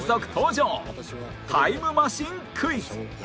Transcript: タイムマシンクイズ